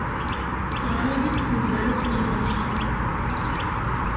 Teɣra-iyi-d tmezrawt-nnek.